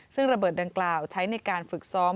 ซึ่งระเบิดดังกล่าวใช้ในการฝึกซ้อม